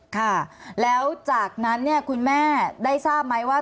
ค่ะแล้วจากนั้นเนี่ยคุณแม่ได้ทราบไหมว่า